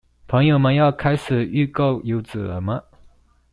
朋友們要開始預購柚子了嗎？